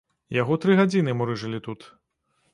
Яго тры гадзіны мурыжылі тут.